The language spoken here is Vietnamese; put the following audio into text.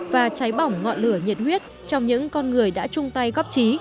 và cháy bỏng ngọn lửa nhiệt huyết trong những con người đã chung tay góp trí